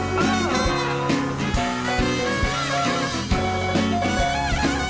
มาแล้วครับเจนเตอร์โฟร์สุดแซ่บ